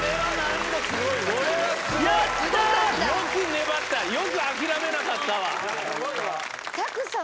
よく粘った、よく諦めなかっ拓さん